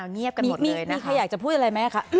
มีใครอยากจะพูดอะไรไหมคะ